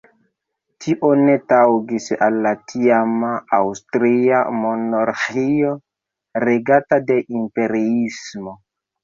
Tio ne taŭgis al la tiama Aŭstria monarĥio, regata de imperiismo.